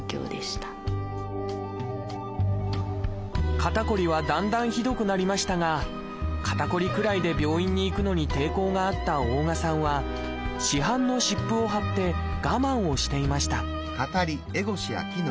肩こりはだんだんひどくなりましたが肩こりくらいで病院に行くのに抵抗があった大我さんは市販の湿布を貼って我慢をしていました